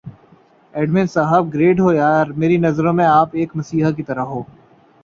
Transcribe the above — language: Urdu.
ایڈمن صاحب گریٹ ہو یار میری نظروں میں آپ ایک مسیحا کی طرح ہوں